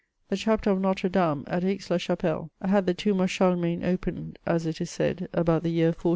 The chapter of Notre Dame, at Aix la Chapelle, had the tomb of Charlemagne opened, as it is said, about the year 1450.